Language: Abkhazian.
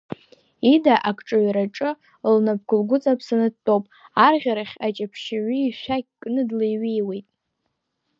Ида акҿыҩраҿы лнапқәа лгәыҵаԥсаны дтәоуп, арӷьарахь аҷаԥшьаҩы ишәақь кны длеиҩеиуеит.